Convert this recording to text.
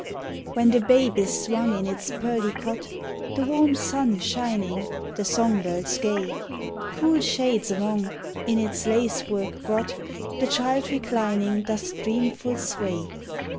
When the babe is swung in its pearly cot, the warm sun shining, the song birds gay, Cool shades among, in its lacework grot, the child reclining doth dreamful sway.